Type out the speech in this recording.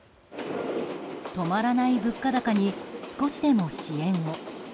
止まらない物価高に少しでも支援を。